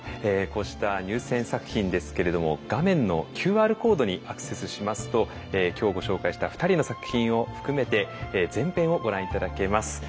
こうした入選作品ですけれども画面のＱＲコードにアクセスしますと今日ご紹介した２人の作品を含めて全編をご覧頂けます。